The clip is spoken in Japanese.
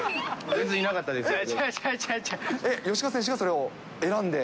全然いなかったですよ。